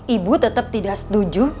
ibu tetep tidak setuju